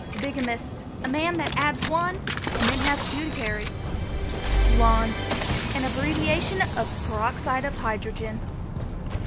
BIGAMIST. A man that adds one and has two to carry. BLONDE. An abbreviation of peroxide of hydrogen.